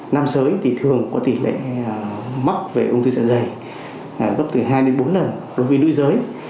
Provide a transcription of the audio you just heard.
nam giới thì thường có tỷ lệ mắc về ứng tư dạ dày gấp từ hai đến bốn lần đối với nước giới